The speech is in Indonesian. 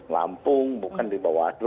lampung bukan di bawaslu